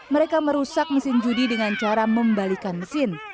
mereka merusak mesin judi dengan cara membalikan mesin